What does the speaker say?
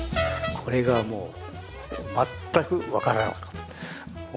これがもう全く分からなかった。